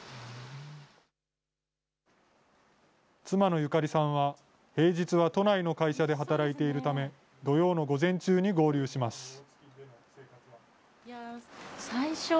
妻のゆかりさんは、平日は都内の会社で働いているため、土曜の午前中に合流します。